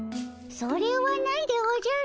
それはないでおじゃる。